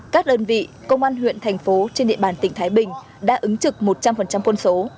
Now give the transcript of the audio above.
các đơn vị công an huyện thành phố trên địa bàn tỉnh thái bình đã ứng trực một trăm linh quân số